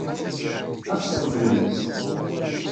Ad ɣ-tqeblem?